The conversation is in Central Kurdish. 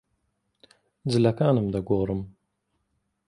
جلەکانم دەگۆڕم.